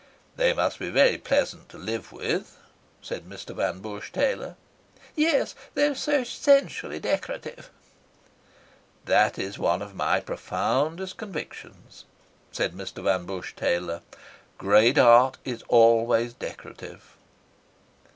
"They must be very pleasant to live with," said Mr. Van Busche Taylor. "Yes; they're so essentially decorative." "That is one of my profoundest convictions," said Mr. Van Busche Taylor. "Great art is always decorative."